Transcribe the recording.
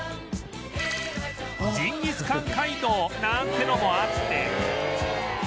ジンギスカン街道なんてのもあって